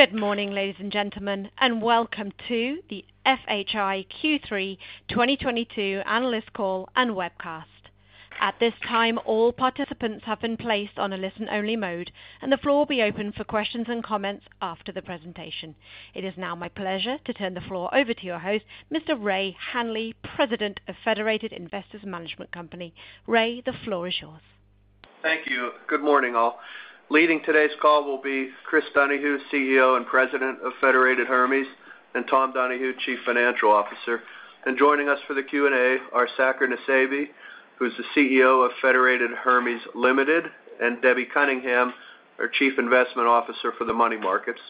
Good morning, ladies and gentlemen, and welcome to the FHI Q3 2022 Analyst Call and webcast. At this time, all participants have been placed on a listen-only mode, and the floor will be open for questions and comments after the presentation. It is now my pleasure to turn the floor over to your host, Mr. Ray Hanley, President of Federated Investors Management Company. Ray, the floor is yours. Thank you. Good morning, all. Leading today's call will be Chris Donahue, CEO and President of Federated Hermes, and Tom Donahue, Chief Financial Officer. Joining us for the Q&A are Saker Nusseibeh, who's the CEO of Federated Hermes Limited, and Debbie Cunningham, our Chief Investment Officer for the money markets.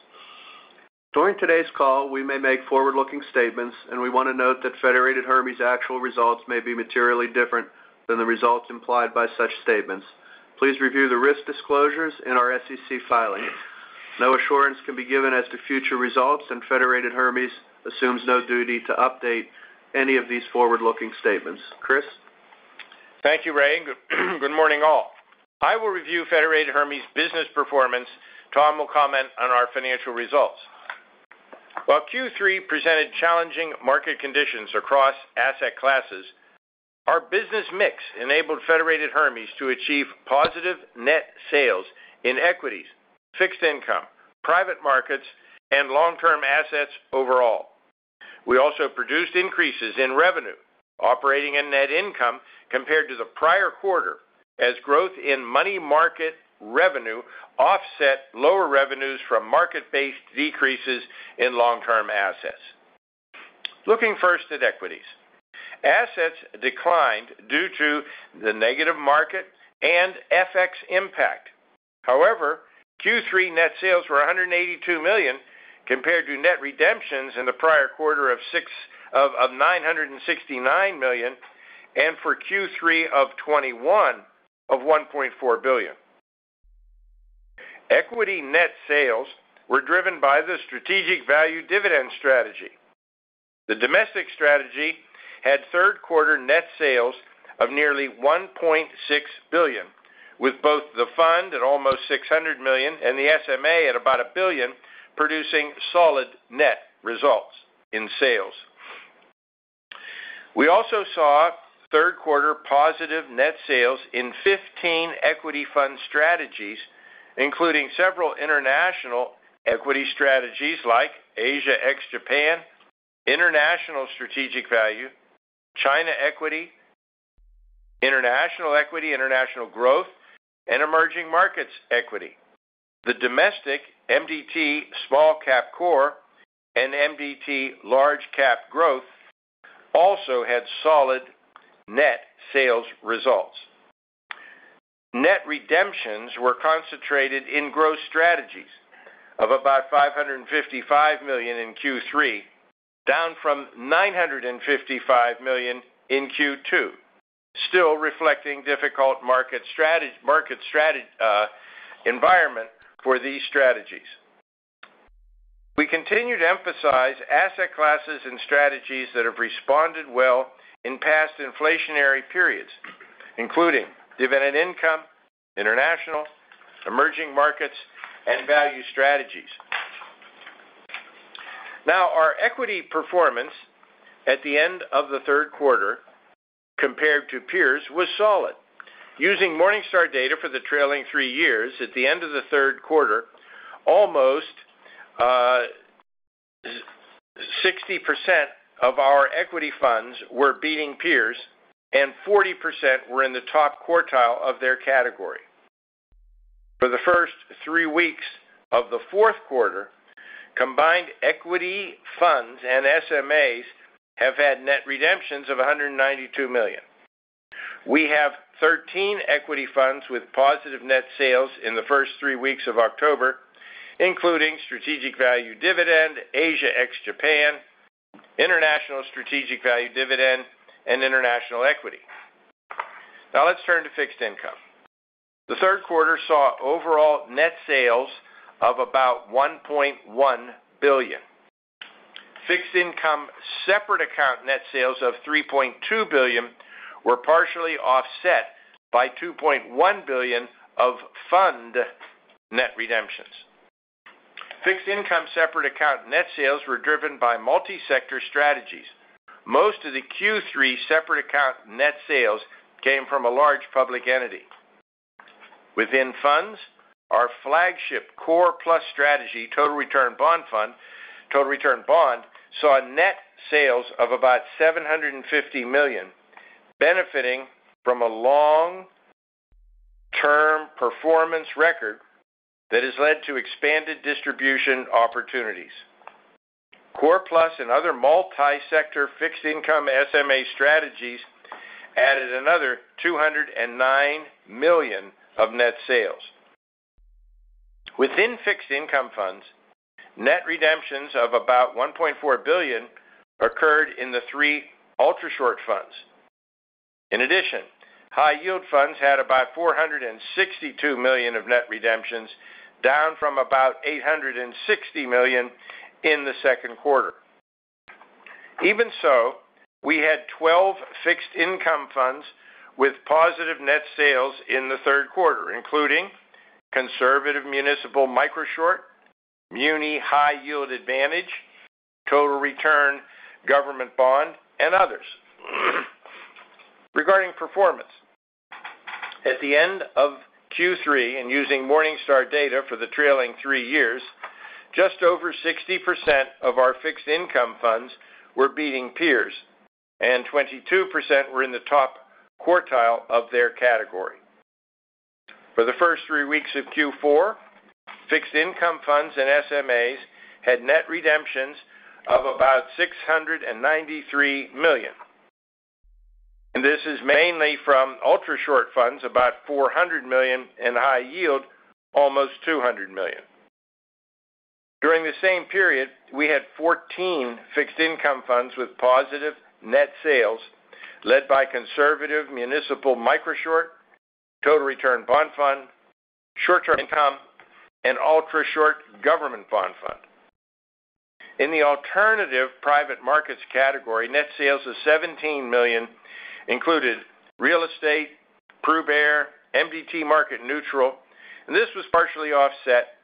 During today's call, we may make forward-looking statements, and we wanna note that Federated Hermes actual results may be materially different than the results implied by such statements. Please review the risk disclosures in our SEC filings. No assurance can be given as to future results, and Federated Hermes assumes no duty to update any of these forward-looking statements. Chris. Thank you, Ray. Good morning, all. I will review Federated Hermes business performance. Tom will comment on our financial results. While Q3 presented challenging market conditions across asset classes, our business mix enabled Federated Hermes to achieve positive net sales in equities, fixed income, private markets, and long-term assets overall. We also produced increases in revenue, operating and net income compared to the prior quarter as growth in money market revenue offset lower revenues from market-based decreases in long-term assets. Looking first at equities. Assets declined due to the negative market and FX impact. However, Q3 net sales were $182 million compared to net redemptions in the prior quarter of $969 million, and for Q3 of 2021 of $1.4 billion. Equity net sales were driven by the Strategic Value Dividend strategy. The domestic strategy had third quarter net sales of nearly $1.6 billion, with both the fund at almost $600 million and the SMA at about $1 billion producing solid net results in sales. We also saw third quarter positive net sales in 15 equity fund strategies, including several international equity strategies like Asia ex-Japan, International Strategic Value, China Equity, International Equity, International Growth, and Emerging Markets Equity. The domestic MDT Small Cap Core and MDT Large Cap Growth also had solid net sales results. Net redemptions were concentrated in growth strategies of about $555 million in Q3, down from $955 million in Q2, still reflecting difficult market environment for these strategies. We continue to emphasize asset classes and strategies that have responded well in past inflationary periods, including dividend income, international, emerging markets, and value strategies. Now, our equity performance at the end of the third quarter compared to peers was solid. Using Morningstar data for the trailing three years at the end of the third quarter, almost 60% of our equity funds were beating peers and 40% were in the top quartile of their category. For the first three weeks of the fourth quarter, combined equity funds and SMAs have had net redemptions of $192 million. We have 13 equity funds with positive net sales in the first three weeks of October, including Strategic Value Dividend, Asia ex-Japan, International Strategic Value Dividend, and International Equity. Now let's turn to fixed income. The third quarter saw overall net sales of about $1.1 billion. Fixed income separate account net sales of $3.2 billion were partially offset by $2.1 billion of fund net redemptions. Fixed income separate account net sales were driven by multi-sector strategies. Most of the Q3 separate account net sales came from a large public entity. Within funds, our flagship Core Plus strategy Total Return Bond Fund, Total Return Bond, saw net sales of about $750 million, benefiting from a long-term performance record that has led to expanded distribution opportunities. Core Plus and other multi-sector fixed income SMA strategies added another $209 million of net sales. Within fixed income funds, net redemptions of about $1.4 billion occurred in the three Ultrashort Funds. In addition, high-yield funds had about $462 million of net redemptions, down from about $860 million in the second quarter. Even so, we had 12 fixed income funds with positive net sales in the third quarter, including Conservative Municipal Microshort Fund, Municipal High Yield Advantage Fund, Total Return Government Bond Fund, and others. Regarding performance, at the end of Q3 and using Morningstar data for the trailing three years, just over 60% of our fixed income funds were beating peers, and 22% were in the top quartile of their category. For the first three weeks of Q4, fixed income funds and SMAs had net redemptions of about $693 million. This is mainly from Ultrashort funds, about $400 million, and High Yield, almost $200 million. During the same period, we had 14 fixed income funds with positive net sales led by Conservative Municipal Microshort Fund, Total Return Bond Fund, Short-Term Income, and Ultrashort Government Bond Fund. In the alternative private markets category, net sales of $17 million included real estate, Prudent Bear Fund, MDT Market Neutral Fund, and this was partially offset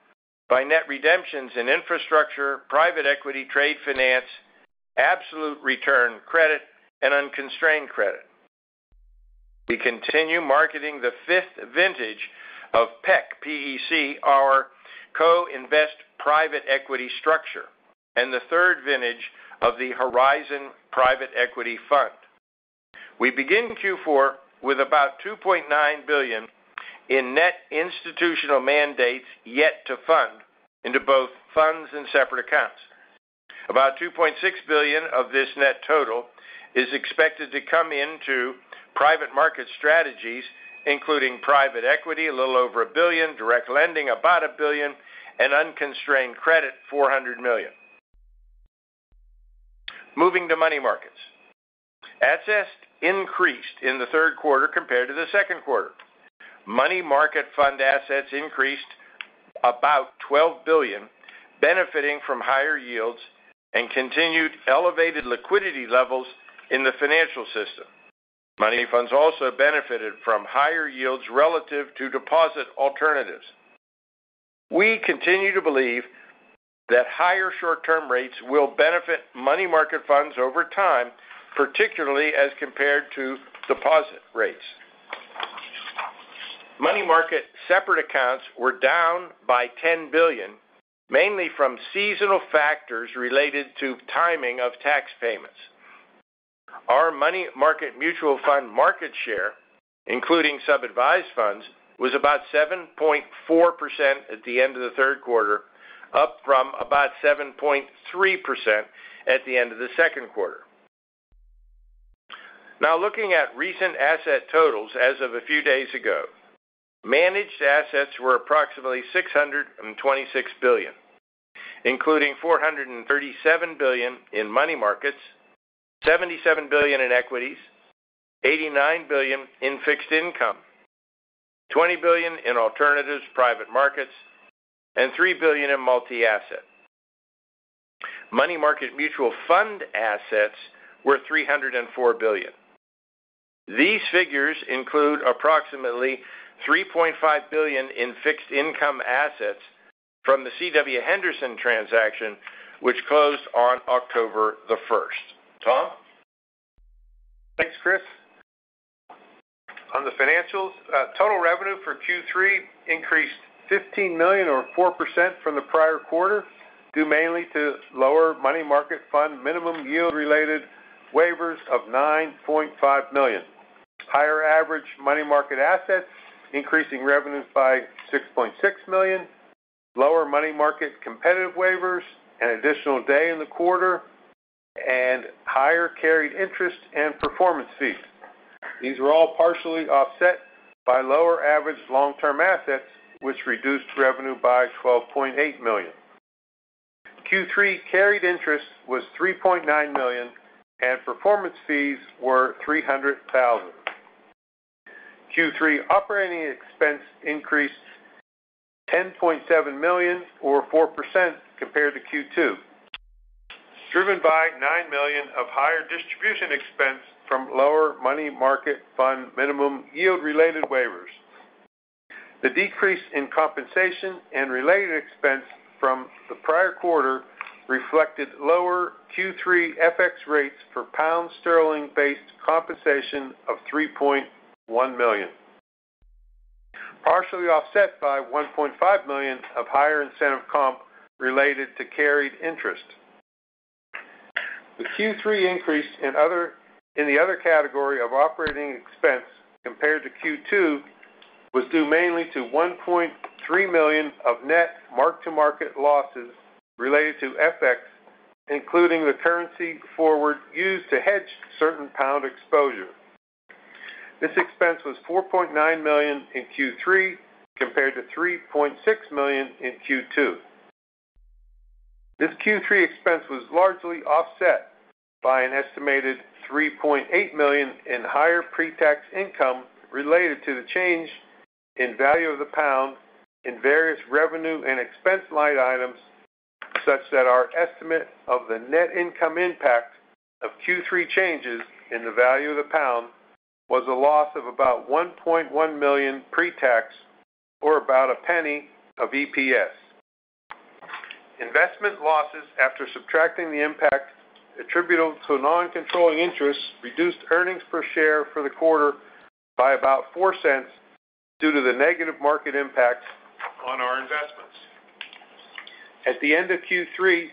by net redemptions in infrastructure, private equity, trade finance, absolute return credit, and unconstrained credit. We continue marketing the 5th vintage of PEC V, our co-invest private equity structure, and the 3rd vintage of the Horizon Private Equity Fund. We begin Q4 with about $2.9 billion in net institutional mandates yet to fund into both funds and separate accounts. About $2.6 billion of this net total is expected to come into private market strategies, including private equity, a little over $1 billion, direct lending, about $1 billion, and unconstrained credit, $400 million. Moving to money markets. Assets increased in the third quarter compared to the second quarter. Money market fund assets increased about $12 billion, benefiting from higher yields and continued elevated liquidity levels in the financial system. Money funds also benefited from higher yields relative to deposit alternatives. We continue to believe that higher short-term rates will benefit money market funds over time, particularly as compared to deposit rates. Money market separate accounts were down by $10 billion, mainly from seasonal factors related to timing of tax payments. Our money market mutual fund market share, including sub-advised funds, was about 7.4% at the end of the third quarter, up from about 7.3% at the end of the second quarter. Now looking at recent asset totals as of a few days ago. Managed assets were approximately $626 billion, including $437 billion in money markets, $77 billion in equities, $89 billion in fixed income, $20 billion in alternatives private markets, and $3 billion in multi-asset. Money market mutual fund assets were $304 billion. These figures include approximately $3.5 billion in fixed income assets from the C.W. Henderson transaction, which closed on October 1. Tom? Thanks, Chris. On the financials, total revenue for Q3 increased $15 million or 4% from the prior quarter, due mainly to lower money market fund minimum yield-related waivers of $9.5 million. Higher average money market assets, increasing revenues by $6.6 million, lower money market competitive waivers, an additional day in the quarter, and higher carried interest and performance fees. These were all partially offset by lower average long-term assets, which reduced revenue by $12.8 million. Q3 carried interest was $3.9 million, and performance fees were $0.3 million. Q3 operating expense increased $10.7 million or 4% compared to Q2, driven by $9 million of higher distribution expense from lower money market fund minimum yield-related waivers. The decrease in compensation and related expense from the prior quarter reflected lower Q3 FX rates for pound sterling-based compensation of $3.1 million, partially offset by $1.5 million of higher incentive comp related to carried interest. The Q3 increase in the other category of operating expense compared to Q2 was due mainly to $1.3 million of net mark-to-market losses related to FX, including the currency forward used to hedge certain pound exposure. This expense was $4.9 million in Q3 compared to $3.6 million in Q2. This Q3 expense was largely offset by an estimated 3.8 million in higher pre-tax income related to the change in value of the pound in various revenue and expense line items such that our estimate of the net income impact of Q3 changes in the value of the pound was a loss of about 1.1 million pre-tax or about $0.01 of EPS. Investment losses after subtracting the impact attributable to non-controlling interests reduced earnings per share for the quarter by about $0.04 due to the negative market impact on our investments. At the end of Q3,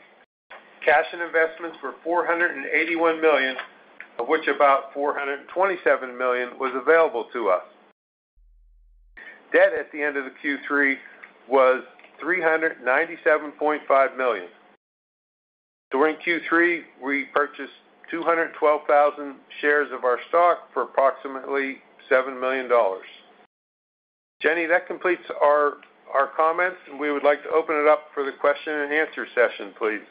cash and investments were $481 million, of which about $427 million was available to us. Debt at the end of Q3 was $397.5 million. During Q3, we purchased 212,000 shares of our stock for approximately $7 million. Jenny, that completes our comments. We would like to open it up for the question and answer session, please.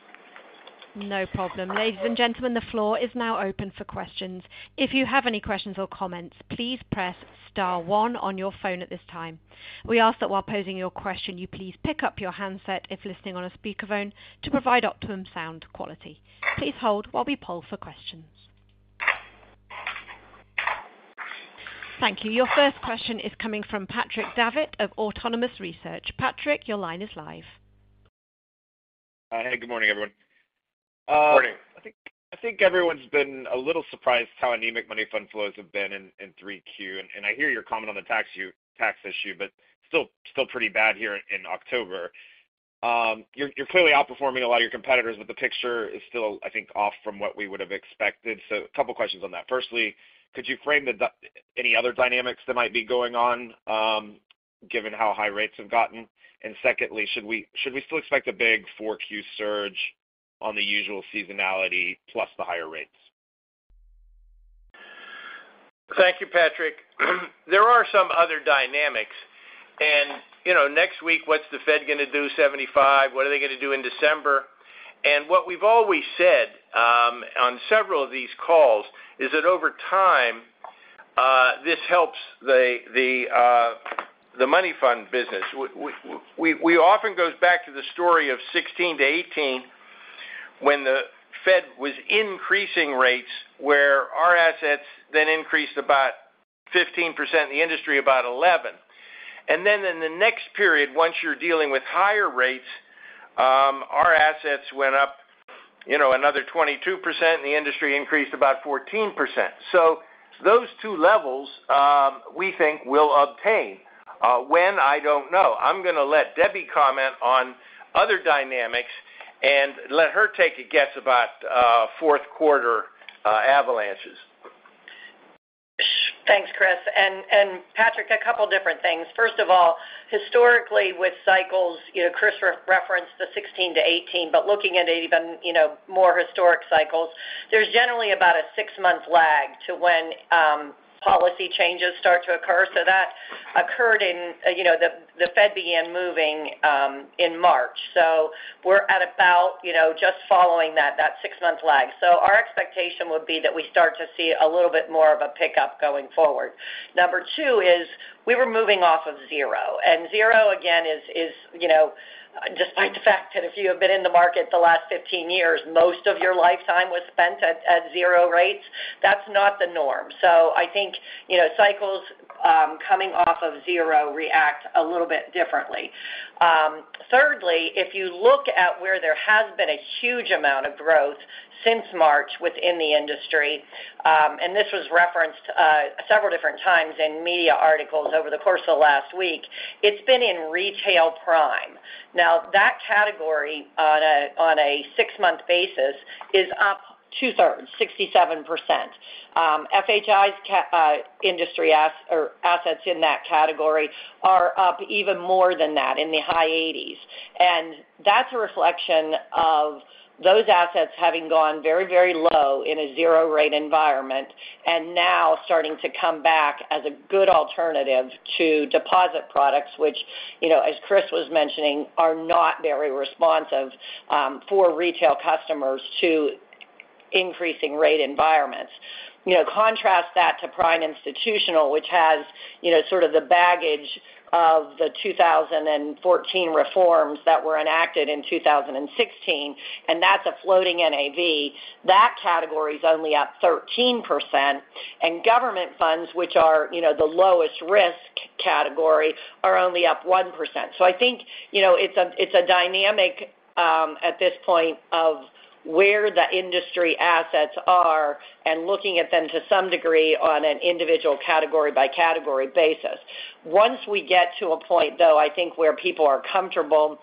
No problem. Ladies and gentlemen, the floor is now open for questions. If you have any questions or comments, please press star one on your phone at this time. We ask that while posing your question, you please pick up your handset if listening on a speakerphone to provide optimum sound quality. Please hold while we poll for questions. Thank you. Your first question is coming from Patrick Davitt of Autonomous Research. Patrick, your line is live. Hey, good morning, everyone. Morning. I think everyone's been a little surprised how anemic money fund flows have been in 3Q. I hear your comment on the tax is-tax issue, but still pretty bad here in October. You're clearly outperforming a lot of your competitors, but the picture is still, I think, off from what we would have expected. A couple questions on that. Firstly, could you frame any other dynamics that might be going on, given how high rates have gotten? Secondly, should we still expect a big 4Q surge on the usual seasonality plus the higher rates? Thank you, Patrick. There are some other dynamics. You know, next week, what's the Fed gonna do 75%? What are they gonna do in December? What we've always said on several of these calls is that over time this helps the money fund business. We often go back to the story of 2016-2018 when the Fed was increasing rates where our assets then increased about 15%, the industry about 11%. Then in the next period, once you're dealing with higher rates, our assets went up, you know, another 22%, and the industry increased about 14%. Those two levels we think will obtain. When, I don't know. I'm gonna let Debbie comment on other dynamics and let her take a guess about fourth quarter avalanches. Thanks, Chris. And Patrick, a couple different things. First of all, historically with cycles, you know, Chris referenced the 16-18, but looking at even, you know, more historic cycles, there's generally about a six-month lag to when policy changes start to occur. That occurred in, you know, the Fed began moving in March. We're at about, you know, just following that six-month lag. Our expectation would be that we start to see a little bit more of a pickup going forward. Number two is we were moving off of zero, and zero again is, you know, despite the fact that if you have been in the market the last 15 years, most of your lifetime was spent at zero rates. That's not the norm. I think, you know, cycles coming off of zero react a little bit differently. Thirdly, if you look at where there has been a huge amount of growth since March within the industry, and this was referenced several different times in media articles over the course of last week, it's been in retail prime. Now, that category on a six-month basis is up 2/3, 67%. FHI's assets in that category are up even more than that in the high 80s. That's a reflection of those assets having gone very, very low in a zero rate environment and now starting to come back as a good alternative to deposit products, which, you know, as Chris was mentioning, are not very responsive for retail customers to increasing rate environments. You know, contrast that to prime institutional, which has, you know, sort of the baggage of the 2014 reforms that were enacted in 2016, and that's a floating NAV. That category is only up 13%. Government funds, which are, you know, the lowest risk category, are only up 1%. I think, you know, it's a dynamic at this point of where the industry assets are and looking at them to some degree on an individual category by category basis. Once we get to a point, though, I think where people are comfortable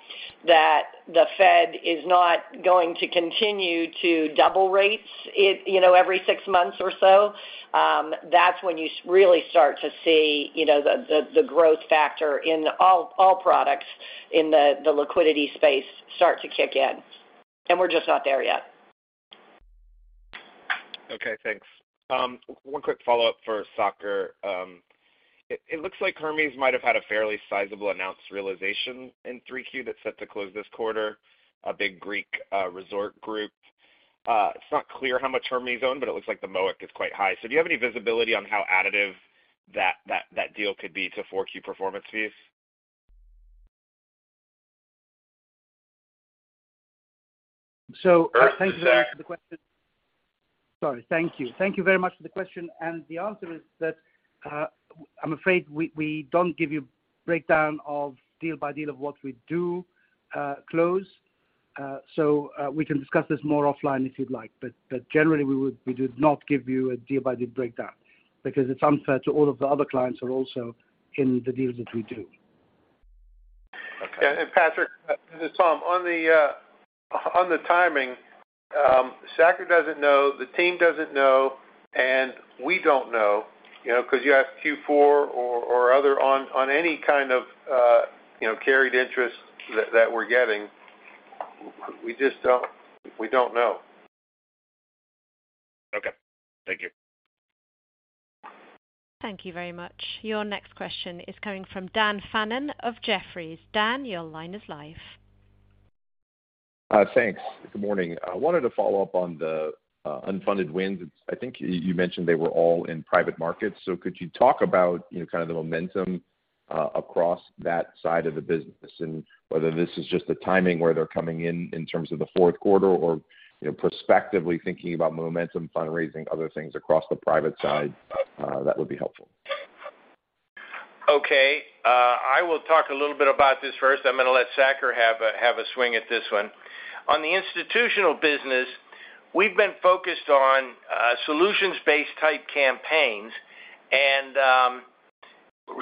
that the Fed is not going to continue to double rates, it, you know, every six months or so, that's when you really start to see, you know, the growth factor in all products in the liquidity space start to kick in. We're just not there yet. Okay, thanks. One quick follow-up for Saker. It looks like Hermes might have had a fairly sizable announced realization in 3Q that's set to close this quarter, a big Greek resort group. It's not clear how much Hermes owned, but it looks like the MOIC is quite high. Do you have any visibility on how additive that deal could be to 4Q performance fees? Thank you very much for the question. The answer is, I'm afraid we don't give you breakdown of deal by deal of what we do close. We can discuss this more offline if you'd like, but generally, we do not give you a deal by deal breakdown because it's unfair to all of the other clients who are also in the deals that we do. Okay. Patrick, this is Tom. On the timing, Saker doesn't know, the team doesn't know, and we don't know, you know, 'cause you asked Q4 or other on any kind of, you know, carried interest that we're getting. We just don't know. Okay. Thank you. Thank you very much. Your next question is coming from Daniel Fannon of Jefferies. Dan, your line is live. Thanks. Good morning. I wanted to follow up on the unfunded wins. I think you mentioned they were all in private markets. Could you talk about, you know, kind of the momentum across that side of the business and whether this is just the timing where they're coming in in terms of the fourth quarter or, you know, prospectively thinking about momentum, fundraising, other things across the private side? That would be helpful. Okay. I will talk a little bit about this first. I'm gonna let Saker have a swing at this one. On the institutional business, we've been focused on solutions-based type campaigns and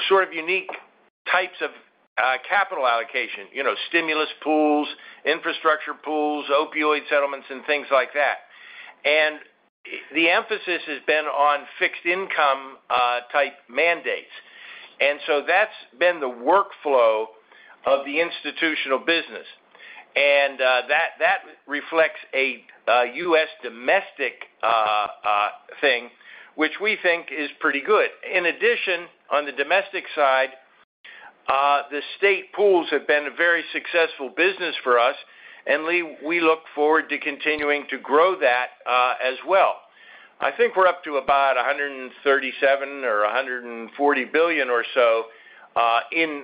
sort of unique types of capital allocation. You know, stimulus pools, infrastructure pools, opioid settlements and things like that. The emphasis has been on fixed income type mandates. That's been the workflow of the institutional business. That reflects a U.S. domestic thing which we think is pretty good. In addition, on the domestic side, the state pools have been a very successful business for us. We look forward to continuing to grow that as well. I think we're up to about $137 billion or $140 billion or so, in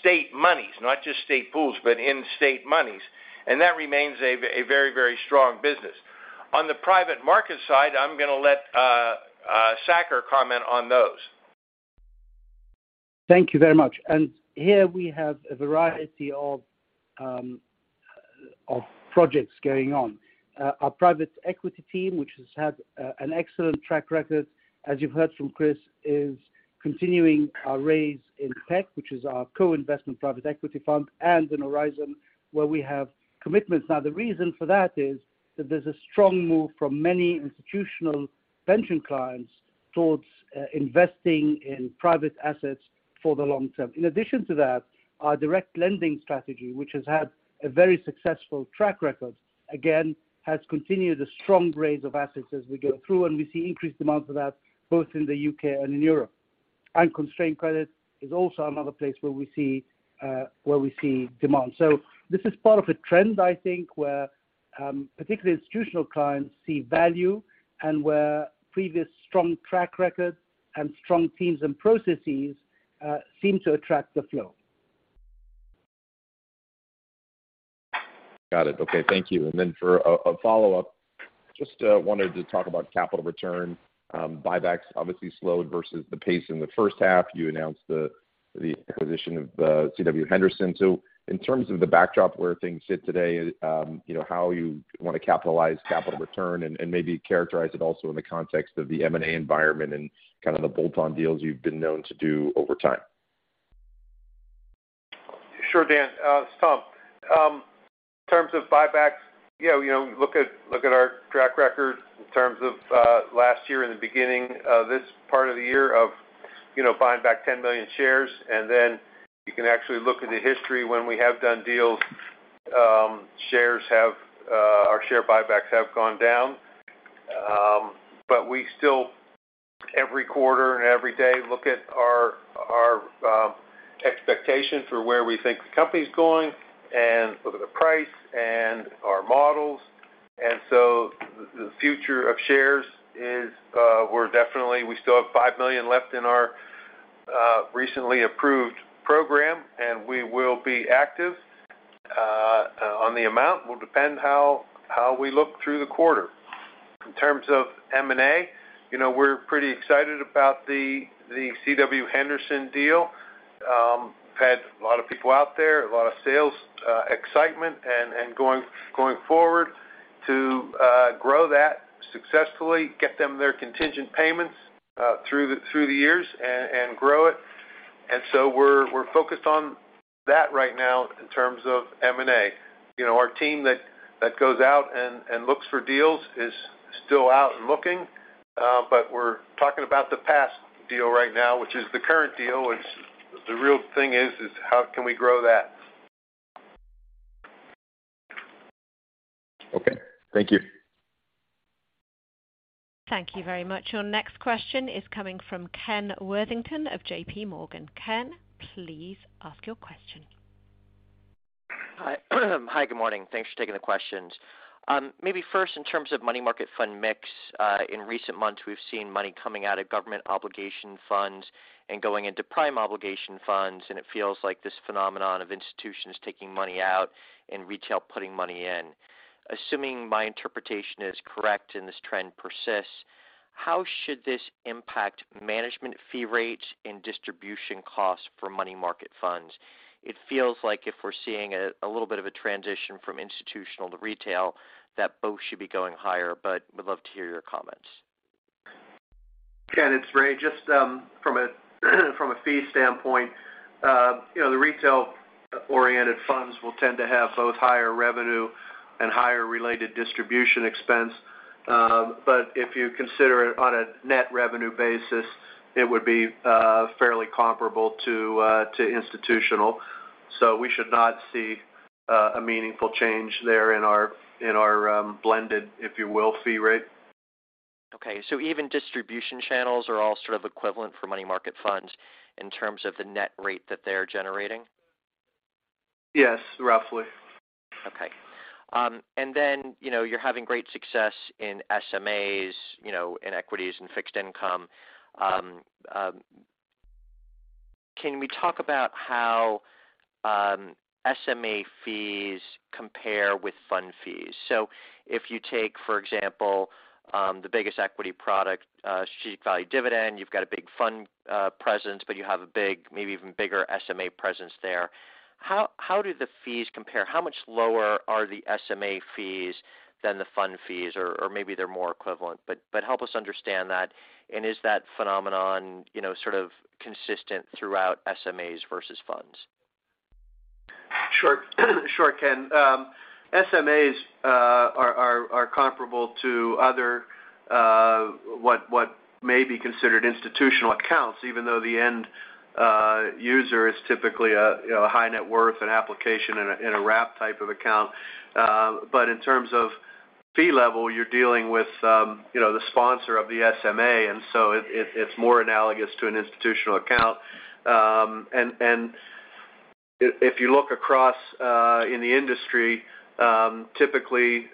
state monies, not just state pools, but in state monies. That remains a very, very strong business. On the private market side, I'm gonna let Saker comment on those. Thank you very much. Here we have a variety of projects going on. Our private equity team, which has had an excellent track record, as you've heard from Chris, is continuing our raise in PEC, which is our co-investment private equity fund, and in Horizon, where we have commitments. Now, the reason for that is that there's a strong move from many institutional pension clients towards investing in private assets for the long term. In addition to that, our direct lending strategy, which has had a very successful track record, again, has continued a strong raise of assets as we go through, and we see increased demand for that both in the U.K. and in Europe. Unconstrained credit is also another place where we see demand. This is part of a trend, I think, where particularly institutional clients see value and where previous strong track records and strong teams and processes seem to attract the flow. Got it. Okay, thank you. For a follow-up, just wanted to talk about capital return. Buybacks obviously slowed versus the pace in the first half. You announced the acquisition of C.W. Henderson. In terms of the backdrop where things sit today, you know, how you wanna capitalize capital return and maybe characterize it also in the context of the M&A environment and kind of the bolt-on deals you've been known to do over time. Sure, Dan. It's Tom. In terms of buybacks, yeah, you know, look at our track record in terms of last year and the beginning of this part of the year of, you know, buying back 10 million shares. You can actually look into history when we have done deals, our share buybacks have gone down. We still, every quarter and every day, look at our expectations for where we think the company's going and look at the price and our models. The future of shares is, we definitely still have 5 million shares left in our recently approved program, and we will be active. On the amount, will depend how we look through the quarter. In terms of M&A, you know, we're pretty excited about the C.W. Henderson deal. Had a lot of people out there, a lot of sales, excitement and going forward to grow that successfully, get them their contingent payments through the years and grow it. We're focused on that right now in terms of M&A. You know, our team that goes out and looks for deals is still out and looking, but we're talking about the past deal right now, which is the current deal, which the real thing is how can we grow that? Okay. Thank you. Thank you very much. Your next question is coming from Kenneth Worthington of J.P. Morgan. Ken, please ask your question. Hi. Hi, good morning. Thanks for taking the questions. Maybe first in terms of money market fund mix, in recent months, we've seen money coming out of government obligation funds and going into prime obligation funds, and it feels like this phenomenon of institutions taking money out and retail putting money in. Assuming my interpretation is correct and this trend persists, how should this impact management fee rates and distribution costs for money market funds? It feels like if we're seeing a little bit of a transition from institutional to retail, that both should be going higher, but we'd love to hear your comments. Ken, it's Ray. Just from a fee standpoint, you know, the retail-oriented funds will tend to have both higher revenue and higher related distribution expense. But if you consider it on a net revenue basis, it would be fairly comparable to institutional. We should not see a meaningful change there in our blended, if you will, fee rate. Okay. Even distribution channels are all sort of equivalent for money market funds in terms of the net rate that they're generating? Yes, roughly. Okay. You know, you're having great success in SMAs, you know, in equities and fixed income. Can we talk about how SMA fees compare with fund fees? If you take, for example, the biggest equity product, Strategic Value Dividend, you've got a big fund presence, but you have a big, maybe even bigger SMA presence there. How do the fees compare? How much lower are the SMA fees than the fund fees or maybe they're more equivalent, but help us understand that, and is that phenomenon, you know, sort of consistent throughout SMAs versus funds? Sure. Sure, Ken. SMAs are comparable to other what may be considered institutional accounts, even though the end user is typically a you know a high net worth individual in a wrap type of account. But in terms of fee level, you're dealing with you know the sponsor of the SMA, and so it's more analogous to an institutional account. If you look across in the industry, typically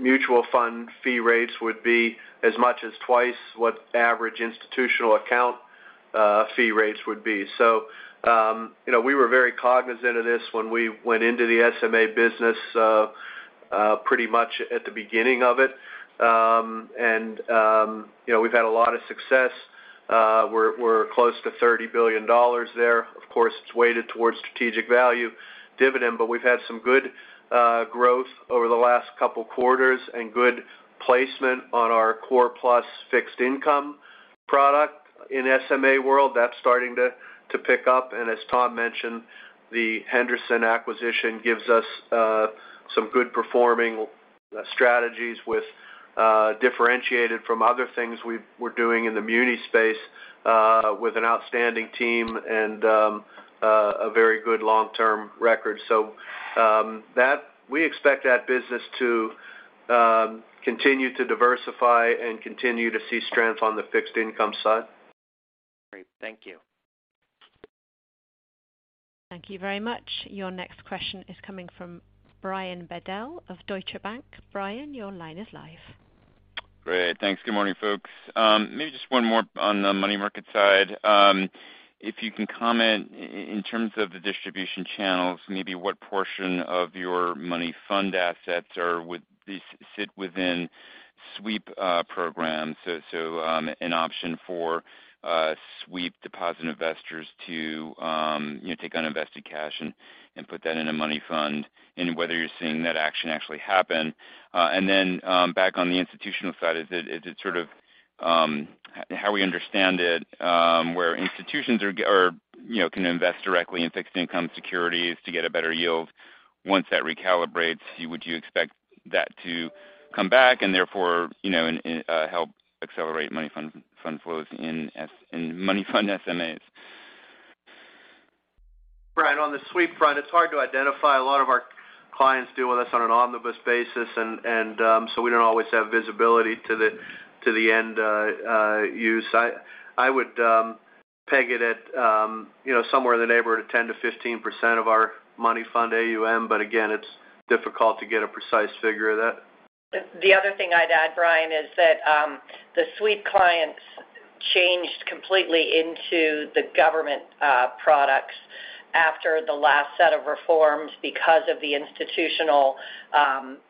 mutual fund fee rates would be as much as twice what average institutional account fee rates would be. You know, we were very cognizant of this when we went into the SMA business pretty much at the beginning of it. You know, we've had a lot of success. We're close to $30 billion there. Of course, it's weighted towards strategic value dividend, but we've had some good growth over the last couple quarters and good placement on our core plus fixed income product in SMA world. That's starting to pick up. As Tom mentioned, the Henderson acquisition gives us some good performing strategies with differentiated from other things we're doing in the Muni space, with an outstanding team and a very good long-term record. We expect that business to continue to diversify and continue to see strength on the fixed income side. Great. Thank you. Thank you very much. Your next question is coming from Brian Bedell of Deutsche Bank. Brian, your line is live. Great. Thanks. Good morning, folks. Maybe just one more on the money market side. If you can comment in terms of the distribution channels, maybe what portion of your money fund assets sit within sweep programs. An option for sweep deposit investors to you know take uninvested cash and put that in a money fund, and whether you're seeing that action actually happen. Back on the institutional side, is it sort of how we understand it where institutions are or you know can invest directly in fixed income securities to get a better yield. Once that recalibrates, would you expect that to come back and therefore you know in turn help accelerate money fund flows in money fund SMAs? Brian, on the sweep front, it's hard to identify. A lot of our clients deal with us on an omnibus basis, and so we don't always have visibility to the end use. I would peg it at, you know, somewhere in the neighborhood of 10%-15% of our money fund AUM, but again, it's difficult to get a precise figure of that. The other thing I'd add, Brian, is that the sweep clients changed completely into the government products after the last set of reforms because of the institutional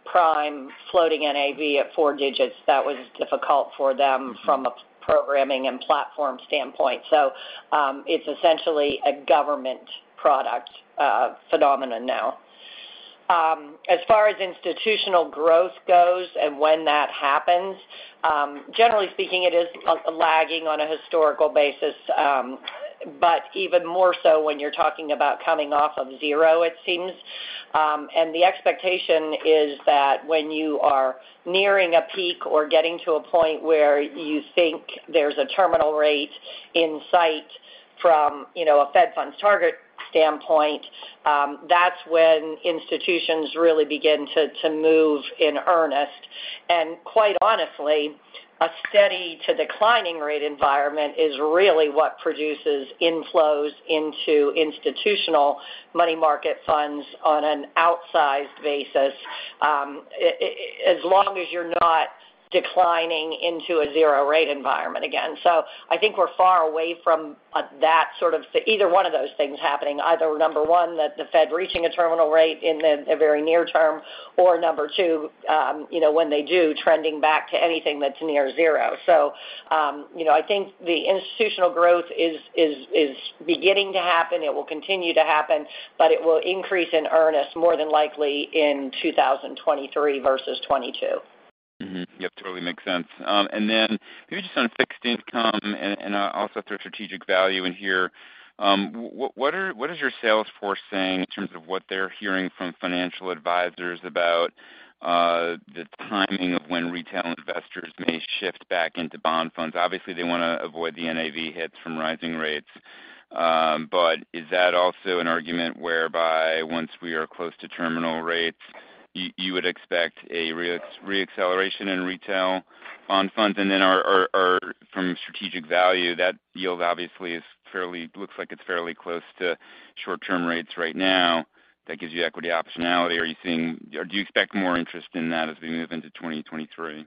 prime floating NAV at four digits. That was difficult for them from a programming and platform standpoint. It's essentially a government product phenomenon now. As far as institutional growth goes and when that happens, generally speaking, it is lagging on a historical basis, but even more so when you're talking about coming off of zero, it seems. The expectation is that when you are nearing a peak or getting to a point where you think there's a terminal rate in sight from you know a Fed funds target standpoint, that's when institutions really begin to move in earnest. Quite honestly, a steady to declining rate environment is really what produces inflows into institutional money market funds on an outsized basis, as long as you're not declining into a zero rate environment again. I think we're far away from either one of those things happening, either number one, that the Fed reaching a terminal rate in the very near term, or number two, you know, when they do trending back to anything that's near zero. I think the institutional growth is beginning to happen. It will continue to happen, but it will increase in earnest more than likely in 2023 versus 2022. Yep, totally makes sense. Maybe just on fixed income and also through Strategic Value in here. What is your sales force saying in terms of what they're hearing from financial advisors about the timing of when retail investors may shift back into bond funds? Obviously, they wanna avoid the NAV hits from rising rates. Is that also an argument whereby once we are close to terminal rates, you would expect a reacceleration in retail bond funds? Are from Strategic Value, that yield obviously looks like it's fairly close to short-term rates right now. That gives you equity optionality. Are you seeing or do you expect more interest in that as we move into 2023?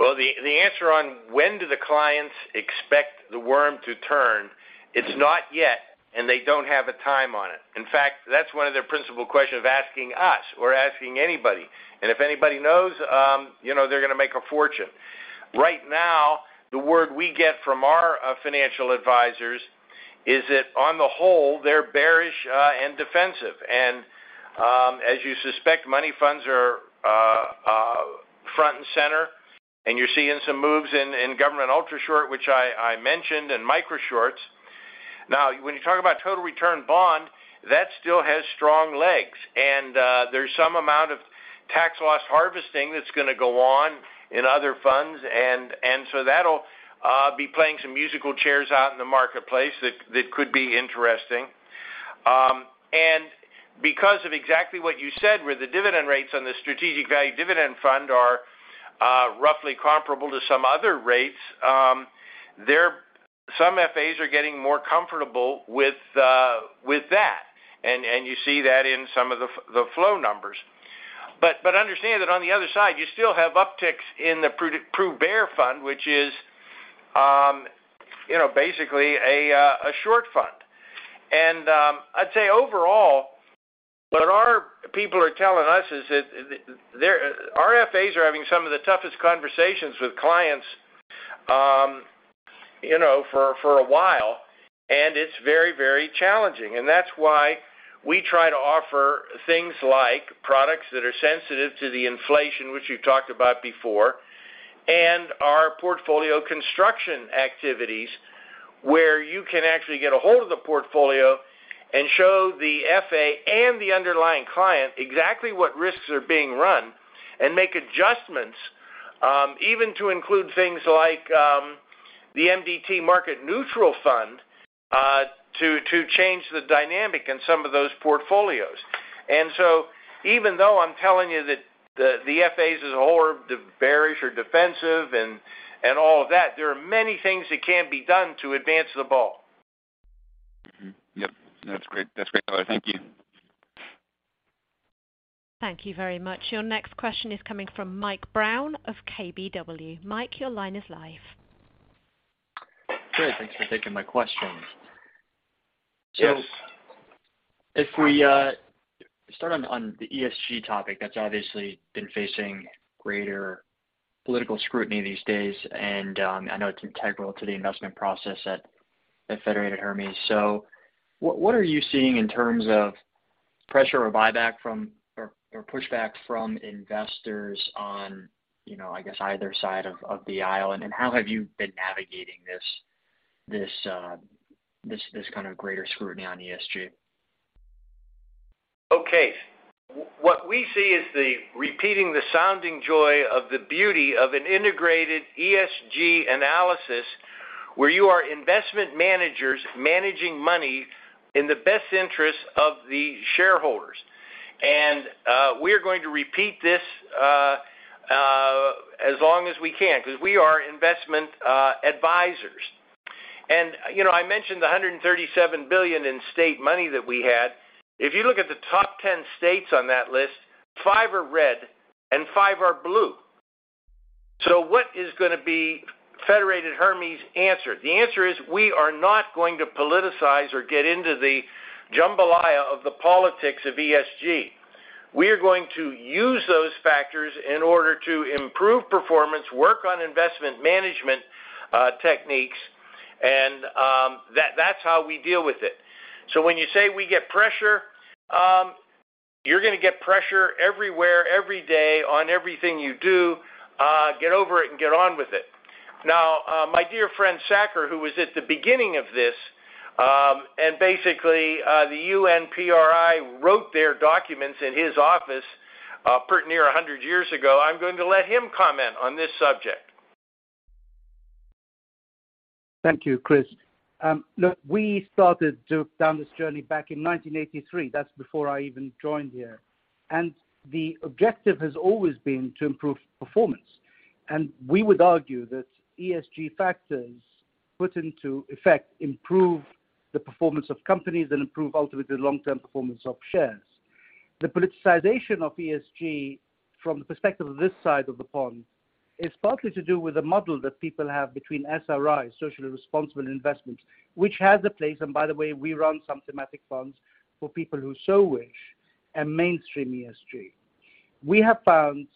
Well, the answer on when do the clients expect the worm to turn, it's not yet, and they don't have a time on it. In fact, that's one of their principal questions they're asking us or asking anybody. If anybody knows, you know, they're gonna make a fortune. Right now, the word we get from our financial advisors is that on the whole, they're bearish and defensive. As you suspect, money funds are front and center, and you're seeing some moves in government ultrashort, which I mentioned, and microshorts. Now when you talk about total return bond, that still has strong legs. There's some amount of tax loss harvesting that's gonna go on in other funds. So that'll be playing some musical chairs out in the marketplace that could be interesting. Because of exactly what you said, where the dividend rates on the Strategic Value Dividend Fund are roughly comparable to some other rates, they're some FAs are getting more comfortable with that. You see that in some of the the flow numbers. Understand that on the other side, you still have upticks in the Prudent Bear Fund, which is, you know, basically a short fund. I'd say overall, what our people are telling us is that they're Our FAs are having some of the toughest conversations with clients, you know, for a while, and it's very, very challenging. That's why we try to offer things like products that are sensitive to the inflation, which we've talked about before, and our portfolio construction activities, where you can actually get a hold of the portfolio and show the FA and the underlying client exactly what risks are being run and make adjustments, even to include things like the MDT Market Neutral Fund to change the dynamic in some of those portfolios. Even though I'm telling you that the FAs is all bearish or defensive and all of that, there are many things that can be done to advance the ball. Yep. No, that's great. That's great. Thank you. Thank you very much. Your next question is coming from Michael Brown of KBW. Mike, your line is live. Great. Thanks for taking my question. Yes. If we start on the ESG topic, that's obviously been facing greater political scrutiny these days, and I know it's integral to the investment process at Federated Hermes. What are you seeing in terms of pressure or pushback from investors on, you know, I guess either side of the aisle? And how have you been navigating this kind of greater scrutiny on ESG? What we see is repeat the sounding joy of the beauty of an integrated ESG analysis, where you are investment managers managing money in the best interest of the shareholders. We are going to repeat this as long as we can because we are investment advisors. You know, I mentioned the $137 billion in state money that we had. If you look at the top 10 states on that list, 5 states are red and 5 states are blue. What is gonna be Federated Hermes' answer? The answer is we are not going to politicize or get into the jambalaya of the politics of ESG. We are going to use those factors in order to improve performance, work on investment management techniques, and that's how we deal with it. When you say we get pressure, you're gonna get pressure everywhere, every day on everything you do. Get over it and get on with it. Now, my dear friend Saker, who was at the beginning of this, and basically, the UNPRI wrote their documents in his office, pretty near 100 years ago. I'm going to let him comment on this subject. Thank you, Chris. Look, we started down this journey back in 1983. That's before I even joined here. The objective has always been to improve performance. We would argue that ESG factors put into effect improve the performance of companies and improve ultimately the long-term performance of shares. The politicization of ESG from the perspective of this side of the pond is partly to do with the model that people have between SRI, socially responsible investments, which has a place. By the way, we run some thematic funds for people who so wish and mainstream ESG. We have found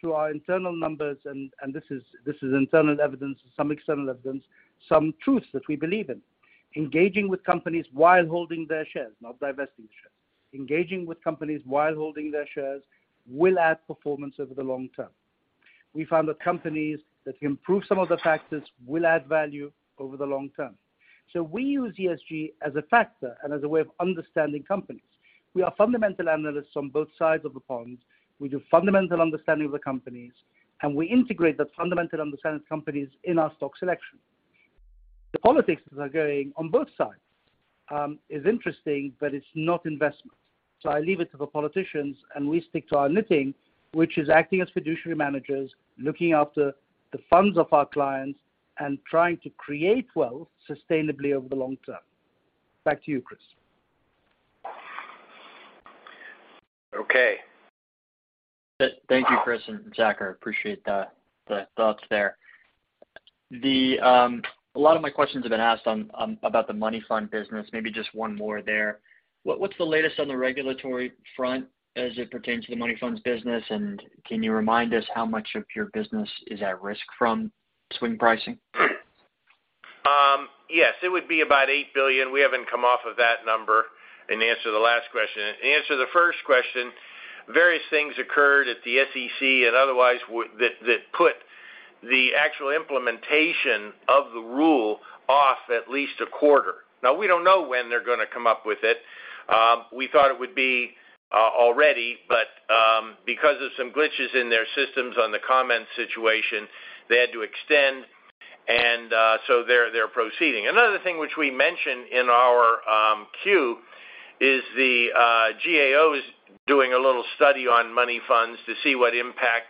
through our internal numbers, and this is internal evidence, some external evidence, some truths that we believe in. Engaging with companies while holding their shares will add performance over the long term. We found that companies that improve some of the factors will add value over the long term. We use ESG as a factor and as a way of understanding companies. We are fundamental analysts on both sides of the pond. We do fundamental understanding of the companies, and we integrate that fundamental understanding of companies in our stock selection. The politics that are going on both sides is interesting, but it's not investment. I leave it to the politicians, and we stick to our knitting, which is acting as fiduciary managers, looking after the funds of our clients and trying to create wealth sustainably over the long term. Back to you, Chris. Okay. Thank you, Chris and Saker. Appreciate the thoughts there. A lot of my questions have been asked on about the money fund business. Maybe just one more there. What's the latest on the regulatory front as it pertains to the money funds business? And can you remind us how much of your business is at risk from swing pricing? Yes, it would be about $8 billion. We haven't come off of that number. In answer to the last question. Answer to the first question, various things occurred at the SEC and otherwise that put the actual implementation of the rule off at least a quarter. Now, we don't know when they're gonna come up with it. We thought it would be already, but because of some glitches in their systems on the comment situation, they had to extend. So they're proceeding. Another thing which we mentioned in our Q is the GAO is doing a little study on money funds to see what impact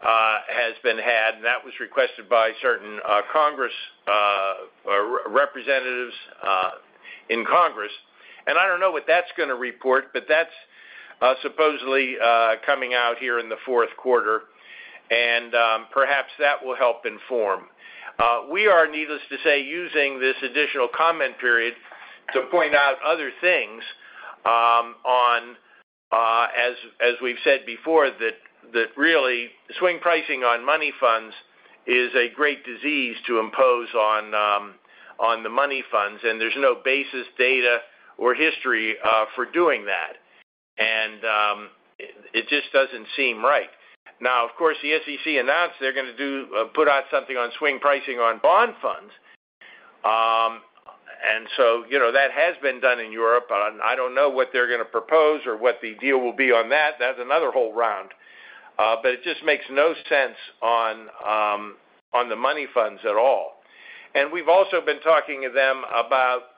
has been had, and that was requested by certain congressional representatives in Congress. I don't know what that's gonna report, but that's supposedly coming out here in the fourth quarter. Perhaps that will help inform. We are, needless to say, using this additional comment period to point out other things, on as we've said before, that really swing pricing on money funds is a great disservice to impose on the money funds, and there's no basis in data or history for doing that. It just doesn't seem right. Now, of course, the SEC announced they're gonna put out something on swing pricing on bond funds. You know, that has been done in Europe. I don't know what they're gonna propose or what the deal will be on that. That's another whole round. It just makes no sense on the money funds at all. We've also been talking to them about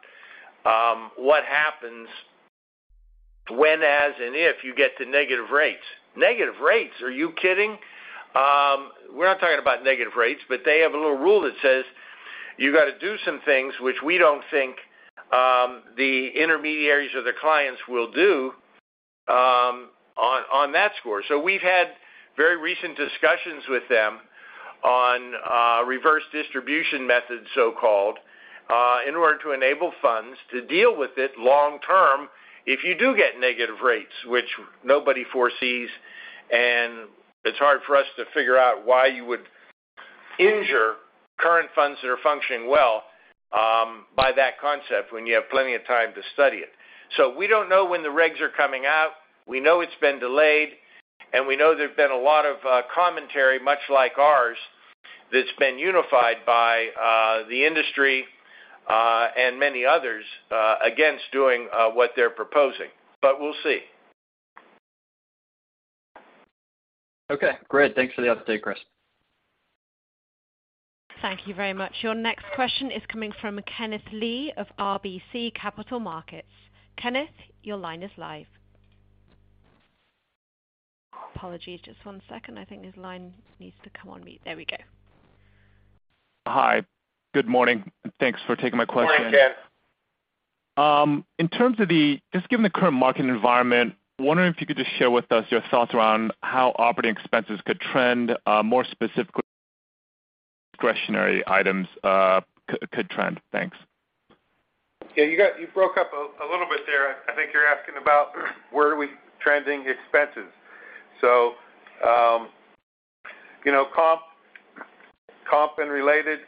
what happens when, as, and if you get to negative rates. Negative rates, are you kidding? We're not talking about negative rates, but they have a little rule that says, you gotta do some things which we don't think the intermediaries or the clients will do on that score. We've had very recent discussions with them on reverse distribution methods, so-called, in order to enable funds to deal with it long term if you do get negative rates, which nobody foresees, and it's hard for us to figure out why you would injure current funds that are functioning well by that concept when you have plenty of time to study it. We don't know when the regs are coming out. We know it's been delayed, and we know there's been a lot of commentary, much like ours, that's been unified by the industry, and many others, against doing what they're proposing. We'll see. Okay, great. Thanks for the update, Chris. Thank you very much. Your next question is coming from Kenneth Lee of RBC Capital Markets. Kenneth, your line is live. Apologies, just one second. I think his line needs to come on mute. There we go. Hi. Good morning. Thanks for taking my question. Morning, Ken. Just given the current market environment, wondering if you could just share with us your thoughts around how operating expenses could trend, more specifically, discretionary items, could trend. Thanks. Yeah, you broke up a little bit there. I think you're asking about where are we trending expenses. You know, comp and related,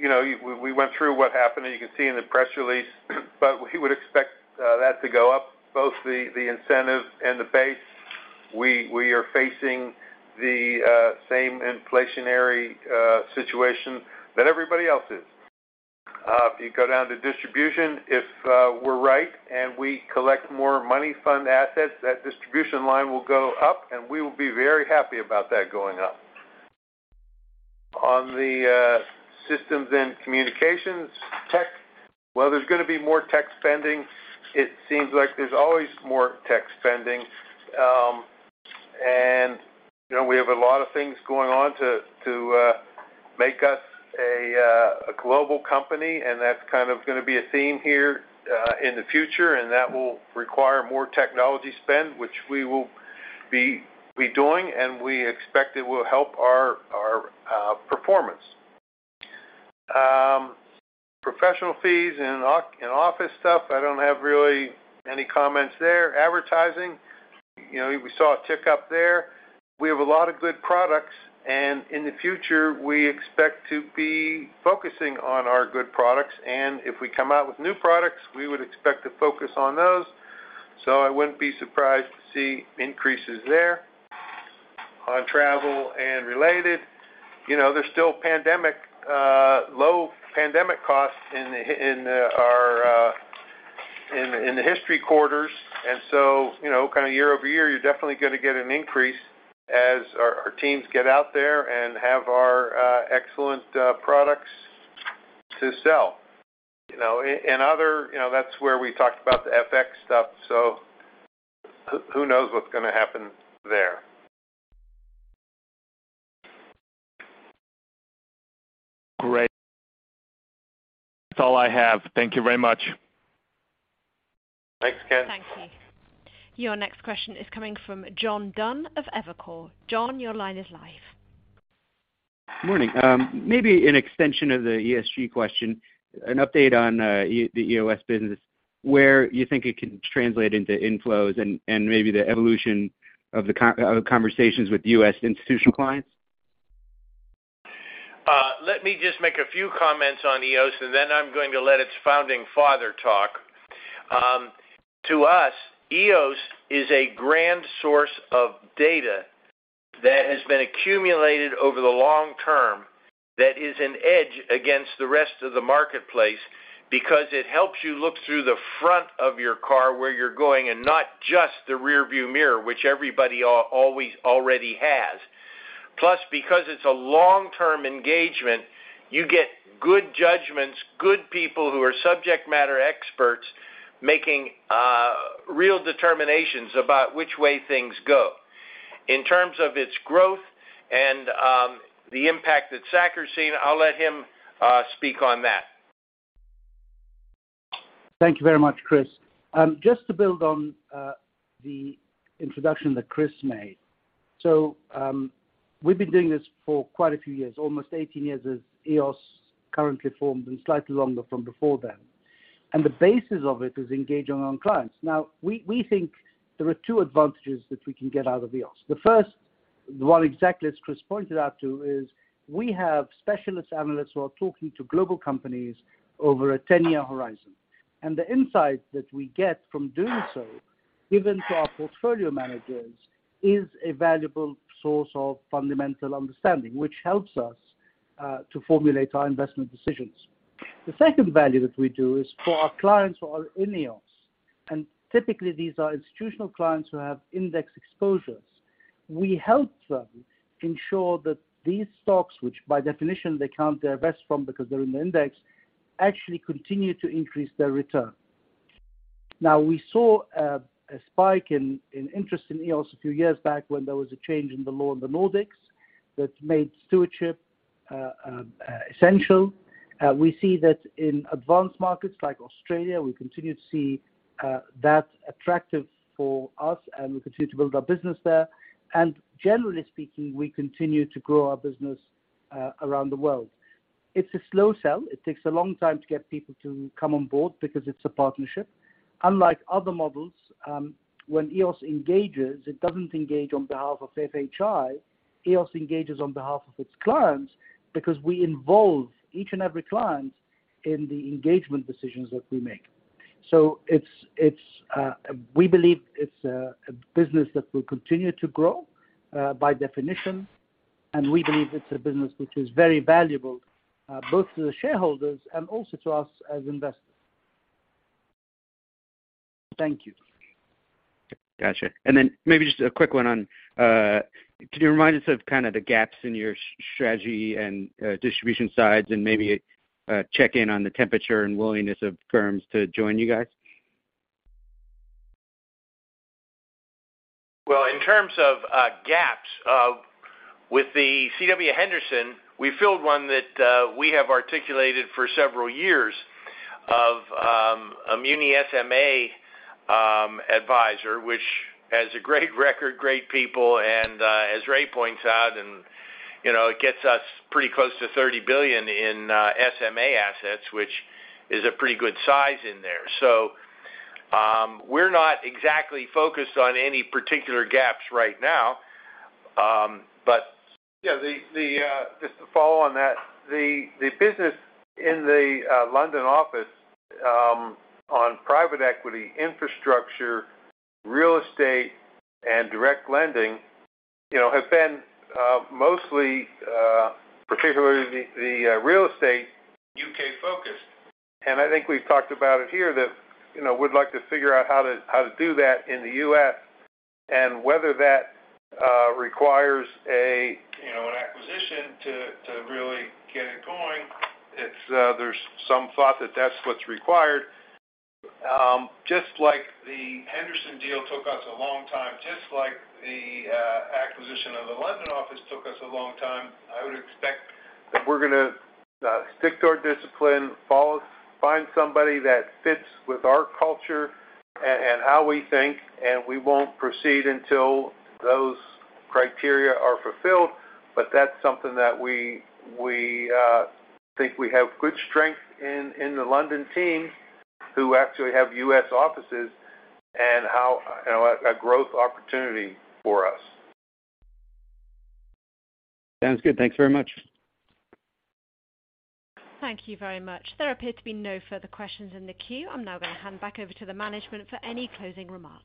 you know, we went through what happened, and you can see in the press release, but we would expect that to go up, both the incentive and the base. We are facing the same inflationary situation that everybody else is. If you go down to distribution, if we're right and we collect more money fund assets, that distribution line will go up, and we will be very happy about that going up. On the systems and communications tech, well, there's gonna be more tech spending. It seems like there's always more tech spending. You know, we have a lot of things going on to make us a global company, and that's kind of gonna be a theme here in the future. That will require more technology spend, which we will be doing, and we expect it will help our performance. Professional fees and office stuff, I don't have really any comments there. Advertising, you know, we saw a tick up there. We have a lot of good products, and in the future, we expect to be focusing on our good products. If we come out with new products, we would expect to focus on those. I wouldn't be surprised to see increases there. On travel and related, you know, there's still pandemic-low costs in our historic quarters. You know, kinda year-over-year, you're definitely gonna get an increase as our teams get out there and have our excellent products to sell. You know, and other, you know, that's where we talked about the FX stuff, so who knows what's gonna happen there. Great. That's all I have. Thank you very much. Thanks, Ken. Thank you. Your next question is coming from John Dunn of Evercore. John, your line is live. Morning. Maybe an extension of the ESG question, an update on the EOS business, where you think it can translate into inflows and maybe the evolution of the conversations with U.S. institutional clients. Let me just make a few comments on EOS, and then I'm going to let its founding father talk. To us, EOS is a grand source of data that has been accumulated over the long term that is an edge against the rest of the marketplace because it helps you look through the front of your car where you're going, and not just the rearview mirror, which everybody always already has. Plus, because it's a long-term engagement, you get good judgments, good people who are subject matter experts making real determinations about which way things go. In terms of its growth and the impact that Saker's seen, I'll let him speak on that. Thank you very much, Chris. Just to build on the introduction that Chris made. We've been doing this for quite a few years, almost 18 years as EOS currently formed and slightly longer from before then. The basis of it is engaging our own clients. We think there are two advantages that we can get out of EOS. The first, the one exactly as Chris pointed out, too, is we have specialist analysts who are talking to global companies over a 10-year horizon. The insight that we get from doing so, given to our portfolio managers, is a valuable source of fundamental understanding, which helps us to formulate our investment decisions. The second value that we do is for our clients who are in EOS, and typically these are institutional clients who have index exposures. We help them ensure that these stocks, which by definition they can't divest from because they're in the index, actually continue to increase their return. Now, we saw a spike in interest in EOS a few years back when there was a change in the law in the Nordics that made stewardship essential. We see that in advanced markets like Australia. We continue to see that attractive for us, and we continue to build our business there. Generally speaking, we continue to grow our business around the world. It's a slow sell. It takes a long time to get people to come on board because it's a partnership. Unlike other models, when EOS engages, it doesn't engage on behalf of FHI. EOS engages on behalf of its clients because we involve each and every client in the engagement decisions that we make. We believe it's a business that will continue to grow, by definition, and we believe it's a business which is very valuable, both to the shareholders and also to us as investors. Thank you. Gotcha. Maybe just a quick one on can you remind us of kinda the gaps in your strategy and distribution sides and maybe check in on the temperature and willingness of firms to join you guys? Well, in terms of gaps with the C.W. Henderson, we filled one that we have articulated for several years of a Muni SMA advisor, which has a great record, great people, and as Ray points out, and you know, it gets us pretty close to $30 billion in SMA assets, which is a pretty good size in there. We're not exactly focused on any particular gaps right now. Yeah, just to follow on that, the business in the London office on private equity infrastructure, real estate, and direct lending you know have been mostly particularly the real estate U.K.-focused. I think we've talked about it here that, you know, we'd like to figure out how to do that in the U.S. and whether that requires a, you know, an acquisition to really get it going. It's, there's some thought that that's what's required. Just like the Henderson deal took us a long time, just like the acquisition of the London office took us a long time, I would expect that we're gonna stick to our discipline, find somebody that fits with our culture and how we think, and we won't proceed until those criteria are fulfilled. But that's something that we think we have good strength in the London team, who actually have U.S. offices and how, you know, a growth opportunity for us. Sounds good. Thanks very much. Thank you very much. There appear to be no further questions in the queue. I'm now gonna hand back over to the management for any closing remarks.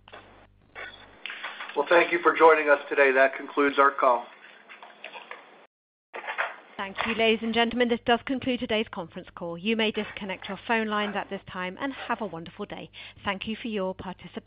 Well, thank you for joining us today. That concludes our call. Thank you, ladies and gentlemen. This does conclude today's conference call. You may disconnect your phone lines at this time, and have a wonderful day. Thank you for your participation.